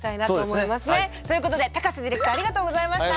そうですね。ということで高瀬ディレクターありがとうございました。